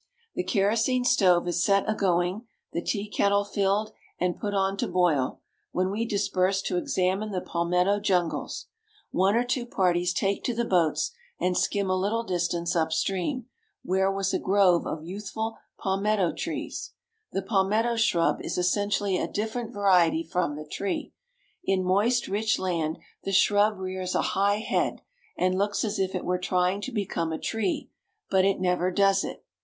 The kerosene stove is set a going; the tea kettle filled, and put on to boil; when we disperse to examine the palmetto jungles. One or two parties take to the boats, and skim a little distance up stream, where was a grove of youthful palmetto trees. The palmetto shrub is essentially a different variety from the tree. In moist, rich land, the shrub rears a high head, and looks as if it were trying to become a tree; but it never does it.